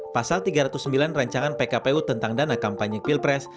pasal tiga ratus sembilan rancangan pkpu tentang dana kampanye pilpres